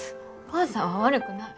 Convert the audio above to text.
お母さんは悪くない。